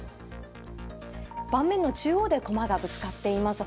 盤面の中央で駒がぶつかっています。